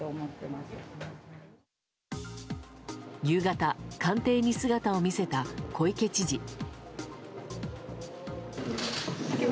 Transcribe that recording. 夕方、官邸に姿を見せた小池知事。